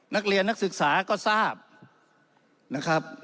นักเรียนนักศึกษาก็ทราบ